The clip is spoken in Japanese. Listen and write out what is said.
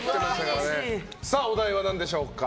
お題は何でしょうか？